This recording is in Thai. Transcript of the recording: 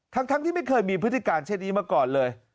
ทั้งที่ไม่เคยมีพฤติการเช่นนี้มาก่อนเลย